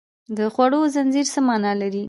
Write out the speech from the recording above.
د خوړو زنځیر څه مانا لري